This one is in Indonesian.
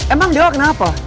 emang dewa kenapa